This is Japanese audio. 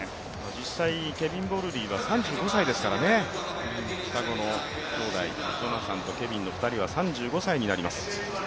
実際、ケビン・ボルリーは３５歳ですからね、双子の兄弟、ジョナサンとケビンの２人は３５歳になります。